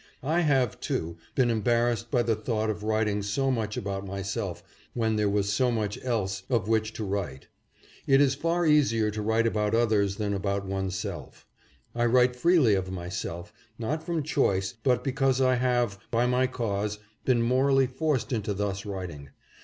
I have, too, been embarrassed by the thought of writing so much about myself when there was so much else of 620 AGAIN SUMMONED TO THE DEFENCE OF HIS PEOPLE. which to write. It is far easier to write about others than about one's self. I write freely of myself, not from choice, but because I have, by my cause, been morally forced into thus writing.